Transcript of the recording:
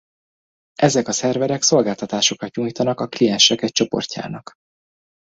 Ezek a szerverek szolgáltatásokat nyújtanak a kliensek egy csoportjának.